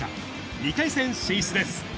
２回戦進出です。